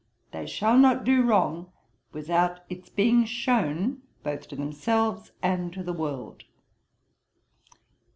They shall not do wrong without its being shown both to themselves and to the world.'